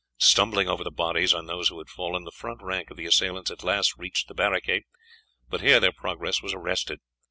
Stumbling over the bodies of those who had fallen, the front rank of the assailants at last reached the barricade, but here their progress was arrested.